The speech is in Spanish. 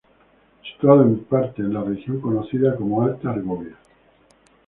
Situado en parte en la región conocida como Alta Argovia.